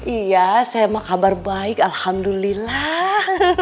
iya saya emang kabar baik alhamdulillah